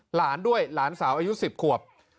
หลานด้วยหลานสาวอายุ๑๐ขวบ